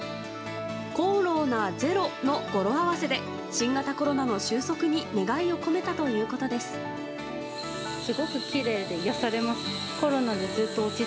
コロナゼロの語呂合わせで新型コロナの収束に願いを込めたということです。